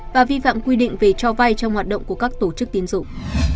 và vi phạm quy định về cho vay trong hoạt động của các tổ chức tiến dụng